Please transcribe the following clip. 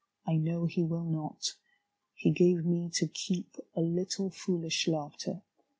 I know he will not. He gave me to keep a Httle foolish laughter.